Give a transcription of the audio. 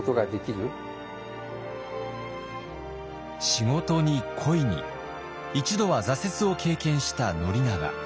仕事に恋に一度は挫折を経験した宣長。